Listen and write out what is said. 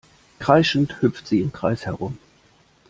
Kreischend hüpft sie im Kreis herum.